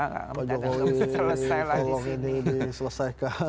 pak jokowi tolong ini diselesaikan